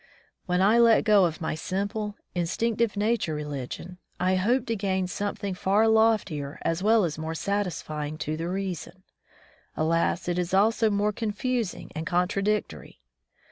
When I let go of my simple, instinctive nature religion, I hoped to gain something far loftier as well as more satisfying to the reason. Alas! it is also more confusing and contradictory.